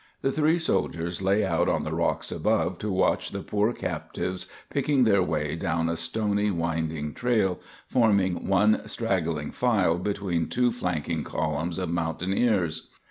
The three soldiers lay out on the rocks above to watch the poor captives picking their way down a stony, winding trail, forming one straggling file between two flanking columns of mountaineers.